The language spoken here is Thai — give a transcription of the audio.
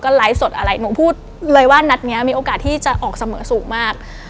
ไลฟ์สดอะไรหนูพูดเลยว่านัดนี้มีโอกาสที่จะออกเสมอสูงมาก